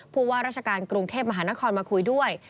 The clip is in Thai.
ผู้ว่าราชการกรุงเทพมหานครมาคุยด้วย